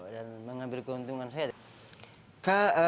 dan mengambil keuntungan saya